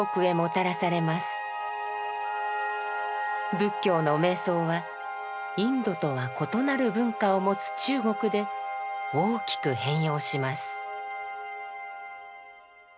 仏教の瞑想はインドとは異なる文化を持つ中国で大きく変容します。